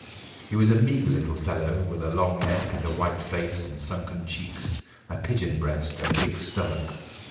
He was a meagre little fellow, with a long neck and a white face and sunken cheeks, a pigeon breast, and a big stomach.